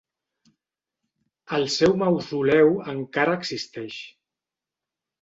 El seu mausoleu encara existeix.